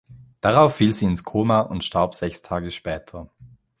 Darauf fiel sie ins Koma und starb sechs Tage später.